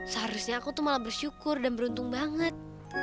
seharusnya aku tuh malah bersyukur dan beruntung banget